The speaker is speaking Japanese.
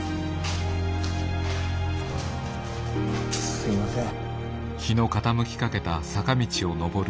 すいません。